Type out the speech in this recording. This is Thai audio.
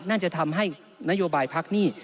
นั่นจะทำให้นโยบายพักหนี้